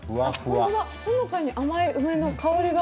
ほのかに甘い梅の香りが。